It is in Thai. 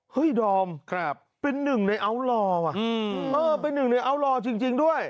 ดอมเป็นหนึ่งในอัลลอร์ว่ะเป็นหนึ่งในอัลลอร์จริงด้วย